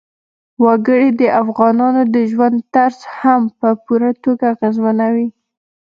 وګړي د افغانانو د ژوند طرز هم په پوره توګه اغېزمنوي.